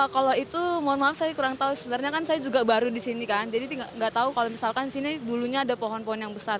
kalau itu mohon maaf saya kurang tahu sebenarnya kan saya juga baru di sini kan jadi nggak tahu kalau misalkan di sini dulunya ada pohon pohon yang besar